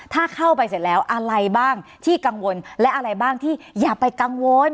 ถ้าเข้าไปเสร็จแล้วอะไรบ้างที่กังวลและอะไรบ้างที่อย่าไปกังวล